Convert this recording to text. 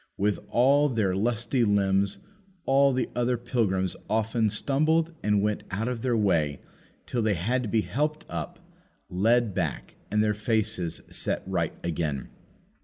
With all their lusty limbs, all the other pilgrims often stumbled and went out of their way till they had to be helped up, led back, and their faces set right again.